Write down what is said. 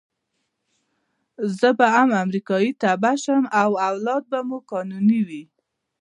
زه به هم امریکایي تبعه شم او اولاد به مو قانوني وي.